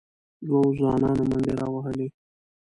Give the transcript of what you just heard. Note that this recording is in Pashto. دوو ځوانانو منډې راوهلې،